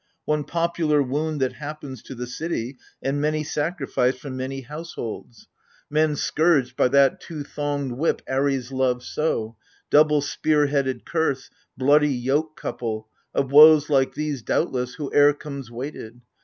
— One popular wound that happens to the city, And many sacrificed from many households — AGAMEMNON. 55 Men, scourged by that two thonged whip Ares loves so, Double spear headed curse, bloody yoke couple, — Of woes like these, doubtless, whoe'er comes weighted.